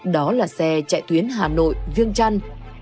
đó là xe chạy tuyến hà nội viêng chăn